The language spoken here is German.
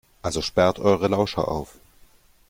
Also sperrt eure Lauscher auf!